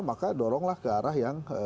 maka doronglah ke arah yang